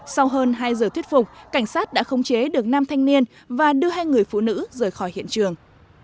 sau hơn hai giờ thuyết phục cảnh sát đã khống chế được năm thanh niên và đưa hai người phụ nữ rời khỏi hiện trường